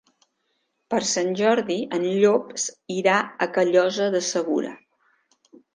Per Sant Jordi en Llop irà a Callosa de Segura.